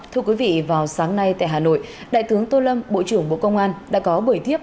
thưa quý vị vào sáng nay tại hà nội đại tướng tô lâm bộ trưởng bộ công an đã có buổi tiếp